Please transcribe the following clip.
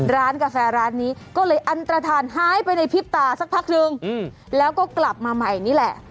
ร้านกาแฟร้านนี้ก็เลยอันตรฐานหายไปในพริบตาสักพักนึงแล้วก็กลับมาใหม่นี่แหละ